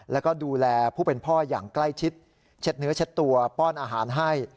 แล้วก็ดูแลผู้เป็นพ่ออย่างใกล้ชิดเช็ดเนื้อเช็ดตัวป้อนอาหารให้